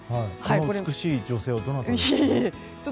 この美しい女性はどなたですか？